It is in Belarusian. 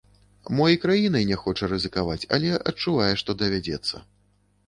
Мо і краінай не хоча рызыкаваць, але адчувае, што давядзецца.